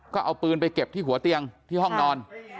ก็เอาปืนไปเก็บที่หัวเตียงที่ห้องนอน